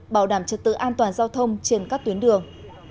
bảo đảm trật tự an toàn giao thông trên các tuyến đường